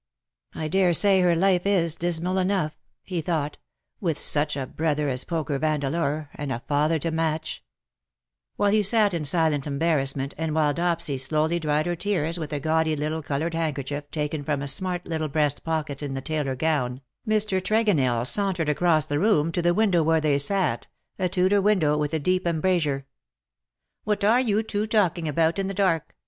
^^ I daresay her life is dismal enough/^ he thought, " with such a brother as Poker Vandeleur — and a father to match/^ While he sat in silent embarrassment, and while Dopsy slowy dried her tears with a gaudy little coloured handkerchief, taken from a smart little breast pocket in the tailor gown, Mr. Tregonell sauntered across the room to the window where they sat — a Tudor window, with a deep em brasure. " What are you two talking about in the dark